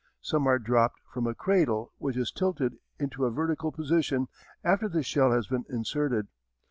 Some are dropped from a cradle which is tilted into a vertical position after the shell has been inserted.